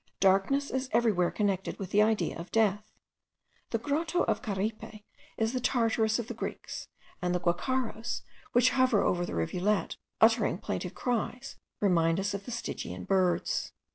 Darkness is everywhere connected with the idea of death. The Grotto of Caripe is the Tartarus of the Greeks; and the guacharos, which hover over the rivulet, uttering plaintive cries, remind us of the Stygian birds.